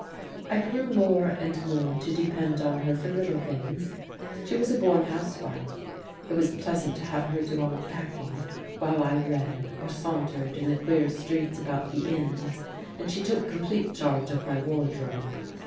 I grew more and more to depend on her for little things. She was a born housewife. It was pleasant to have her do all the packing, while I read or sauntered in the queer streets about the inns. And she took complete charge of my wardrobe.